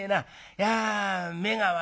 いや目が悪い